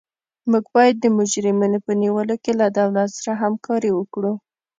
موږ باید د مجرمینو په نیولو کې له دولت سره همکاري وکړو.